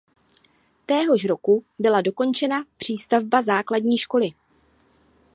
Téhož roku byla dokončena přístavba základní školy.